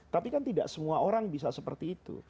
tapi kan tidak semua orang bisa seperti itu